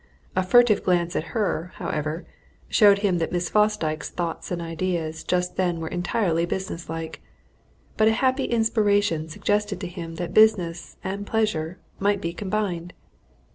A furtive glance at her, however, showed him that Miss Fosdyke's thoughts and ideas just then were entirely business like, but a happy inspiration suggested to him that business and pleasure might be combined.